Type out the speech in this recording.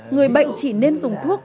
người bệnh chỉ nên dùng thuốc